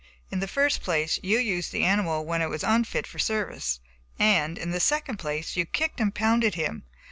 In the first place, you used the animal when he was unfit for service, and, in the second place, you kicked and pounded him.